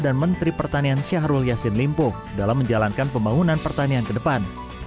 dan menteri pertanian syahrul yassin limpung dalam menjalankan pembangunan pertanian ke depan